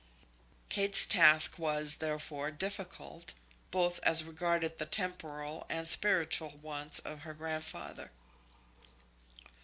Kate's task was, therefore, difficult, both as regarded the temporal and spiritual wants of her grandfather.